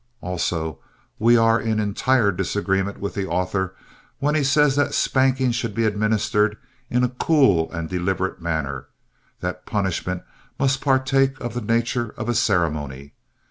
Also, we are in entire disagreement with the author when he says that spankings should be administered in a cool and deliberate manner, that "punishment must partake of the nature of a ceremony."